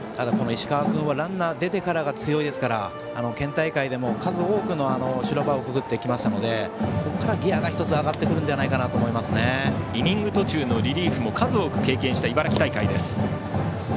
石川君はランナーが出てからが強いですから県大会でも数多くの修羅場をくぐってきましたのでここからギヤが１つ上がってくるんじゃないかとイニング途中のリリーフも数多く経験した茨城大会です。